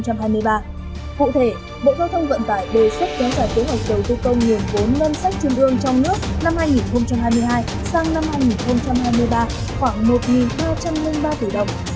cụ thể bộ giao thông vận tải đề xuất kéo dài kế hoạch đầu tư vốn ngân sách trung ương trong nước năm hai nghìn hai mươi hai sang năm hai nghìn hai mươi ba khoảng một ba trăm linh ba tỷ đồng đối với bốn mươi tám dự án để tiếp tục thực hiện giải ngân